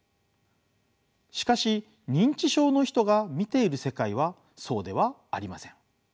しかし認知症の人が見ている世界はそうではありません。